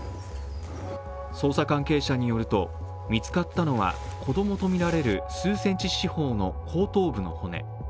捜査関係者によると、見つかったのは子供とみられる数センチ四方の後頭部の骨。